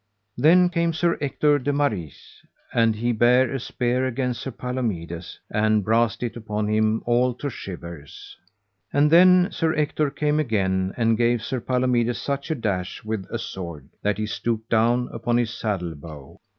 Then came Sir Ector de Maris, and he bare a spear against Sir Palomides, and brast it upon him all to shivers. And then Sir Ector came again and gave Sir Palomides such a dash with a sword that he stooped down upon his saddle bow.